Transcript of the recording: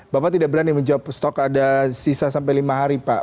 bapak tidak berani menjawab stok ada sisa sampai lima hari pak